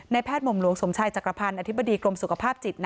แพทย์หม่อมหลวงสมชายจักรพันธ์อธิบดีกรมสุขภาพจิต